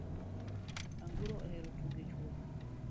Anguro ohero tugo e chuodho .